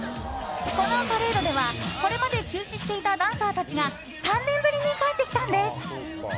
このパレードではこれまで休止していたダンサーたちが３年ぶりに帰ってきたんです。